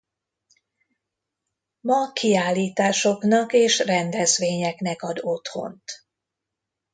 Ma kiállításoknak és rendezvényeknek ad otthont.